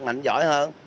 mình giỏi hơn